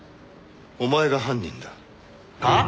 お前が犯人だ。はあ！？